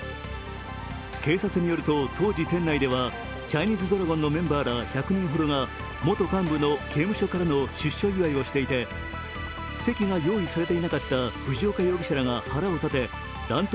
警察によると当時店内ではチャイニーズドラゴンのメンバー１００人ほどが元幹部の刑務所からの出所祝いをしていて席が用意されていなかった藤岡容疑者らが腹を立て乱闘